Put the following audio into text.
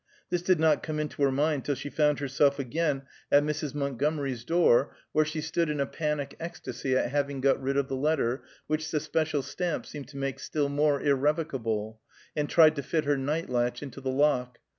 This did not come into her mind till she found herself again at Mrs. Montgomery's door, where she stood in a panic ecstasy at having got rid of the letter, which the special stamp seemed to make still more irrevocable, and tried to fit her night latch into the lock.